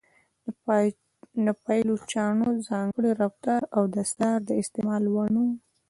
د پایلوچانو ځانګړی رفتار او دستار د استعمال وړ نه و.